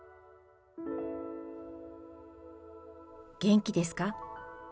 元気ですか？